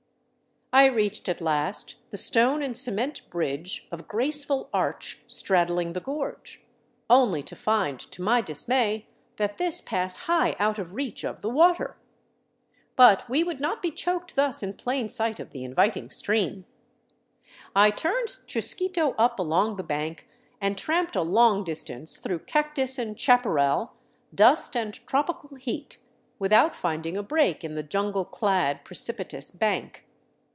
I reached at last the stone and cement bridge of graceful arch straddling the gorge, only to find, to my dismay, that this passed high out of reach of the water. But we would not be choked thus in plain sight of the inviting stream. I turned Chusquito up along the bank and tramped a long distance through cactus and chaparral, dust and tropical heat, without finding a break in the jungle clad, precipitous bank.